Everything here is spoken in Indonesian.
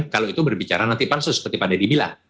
kalau itu berbicara nanti pansus seperti pada dibilang